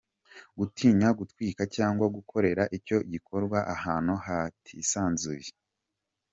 Gutinya gutwita cyangwa gukorera icyo gikorwa ahantu hatisanzuye.